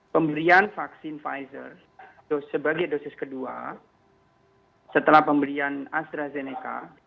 pemberian vaksin pfizer sebagai dosis kedua setelah pemberian astrazeneca